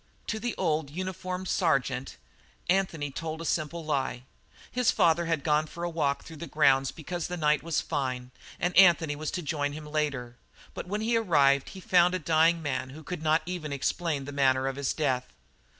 To the old, uniformed sergeant, Anthony told a simple lie. His father had gone for a walk through the grounds because the night was fine, and Anthony was to join him there later, but when he arrived he found a dying man who could not even explain the manner of his death.